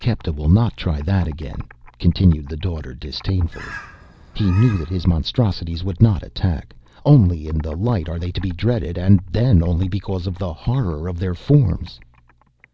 "Kepta will not try that again," continued the Daughter, disdainfully. "He knew that his monstrosities would not attack. Only in the light are they to be dreaded and then only because of the horror of their forms."